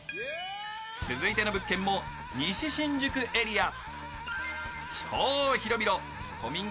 続いての物件も西新宿エリア。